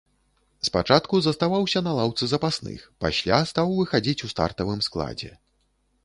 Спачатку заставаўся на лаўцы запасных, пасля стаў выхадзіць у стартавым складзе.